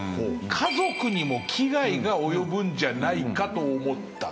家族にも危害が及ぶんじゃないかと思った。